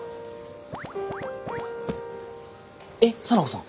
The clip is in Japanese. えっ沙名子さん。